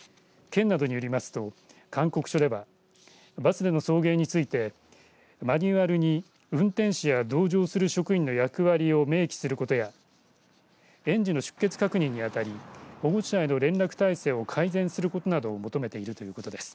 県などによりますと勧告書ではバスでの送迎についてマニュアルに運転手や同乗する職員の役割を明記することや園児の出欠確認に当たり保護者への連絡体制を改善することなどを求めているということです。